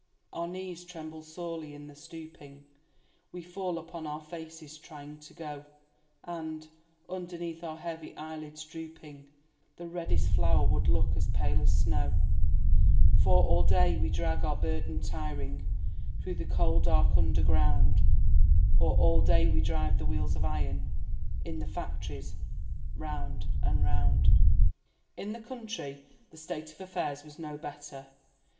Our knees tremble sorely in the stooping, We fall upon our faces, trying to go; And, underneath our heavy eyelids drooping The reddest flower would look as pale as snow; For, all day, we drag our burden tiring Through the coal dark underground Or, all day, we drive the wheels of iron In the factories, round and round." In the country the state of affairs was no better.